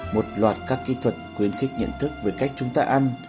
một loạt các kỹ thuật khuyến khích nhận thức về cách chúng ta ăn